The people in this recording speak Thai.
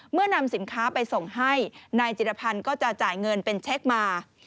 นำสินค้าไปส่งให้นายจิรพันธ์ก็จะจ่ายเงินเป็นเช็คมา